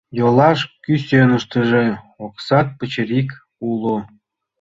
Йолаш кӱсеныштыже оксат пычырик уло.